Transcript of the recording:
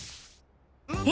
え！